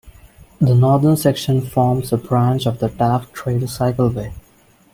The northern section forms a branch to the Taff Trail cycleway.